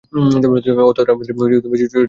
অর্থটা আমার চরিত্রের সাথে ছাপ দেয়া, তাই বদলেছি।